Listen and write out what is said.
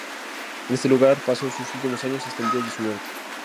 En este lugar pasó sus últimos años, hasta el día de su muerte.